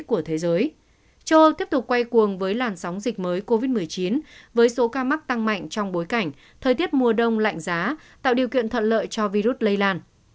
châu âu tiếp tục quay cuồng với làn sóng dịch mới covid một mươi chín với số ca mắc tăng mạnh trong bối cảnh thời tiết mùa đông lạnh giá tạo điều kiện thuận lợi cho virus lây lan